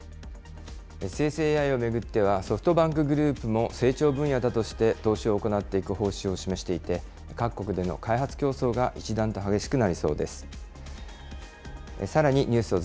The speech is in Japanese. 生成ＡＩを巡っては、ソフトバンクグループも成長分野だとして投資を行っていく方針を示していて、各国での開発競争が一段と激しくなりそうです。